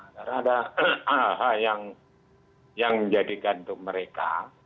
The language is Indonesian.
karena ada hal hal yang menjadikan untuk mereka